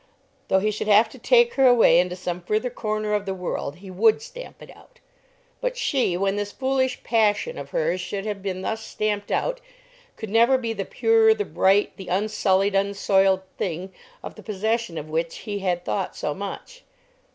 Though he should have to take her away into some further corner of the world, he would stamp it out. But she, when this foolish passion of hers should have been thus stamped out, could never be the pure, the bright, the unsullied, unsoiled thing, of the possession of which he had thought so much.